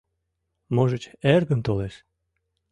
— Можыч, эргым толеш...